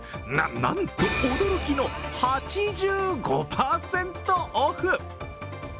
な、なんと驚きの８５％オフ。